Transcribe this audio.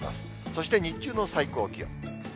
そして日中の最高気温。